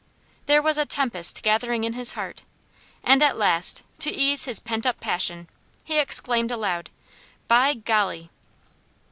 There was a tempest gathering in his heart, and at last, to ease his pent up passion, he exclaimed aloud, "By golly!"